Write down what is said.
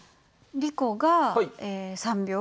リコが３秒。